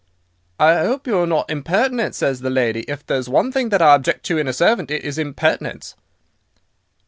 "'I 'ope you are not impertinent,' says the lady; 'if there's one thing that I object to in a servant it is impertinence.